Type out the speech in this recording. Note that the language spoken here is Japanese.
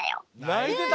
ないてた？